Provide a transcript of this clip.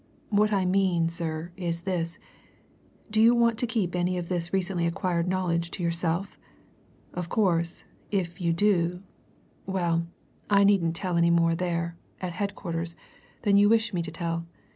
What I mean sir, is this do you want to keep any of this recently acquired knowledge to yourself? Of course, if you do well, I needn't tell any more there at headquarters than you wish me to tell.